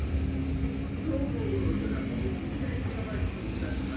女房の背中を踏み台代わりにいたしまして